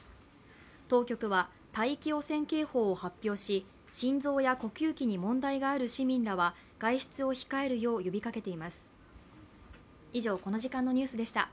当局は大気汚染警報を発表し、心臓や呼吸器に問題がある市民らは外出を控えるよう呼びかけています。